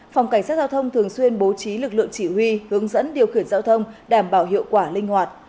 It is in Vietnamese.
phòng cảnh sát giao thông thường xuyên bố trí lực lượng chỉ huy hướng dẫn điều khiển giao thông đảm bảo hiệu quả linh hoạt